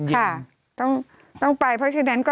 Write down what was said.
จำนวนได้ไม่เกิน๕๐๐คนนะคะ